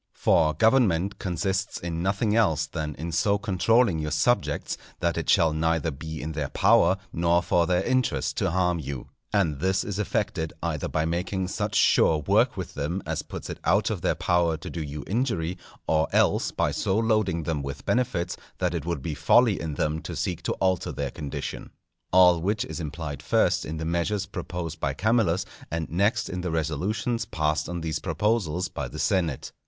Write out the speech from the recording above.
For government consists in nothing else than in so controlling your subjects that it shall neither be in their power nor for their interest to harm you. And this is effected either by making such sure work with them as puts it out of their power to do you injury, or else by so loading them with benefits that it would be folly in them to seek to alter their condition. All which is implied first in the measures proposed by Camillus, and next in the resolutions passed on these proposals by the senate.